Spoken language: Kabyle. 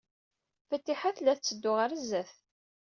Fatiḥa tella tetteddu ɣer sdat.